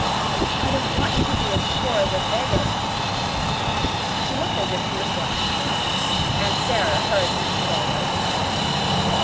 "I don't want you to be as poor as a beggar." She looked as if she was going to cry. And Sara hurriedly consoled her.